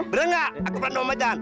beren gak aku pernah nama macan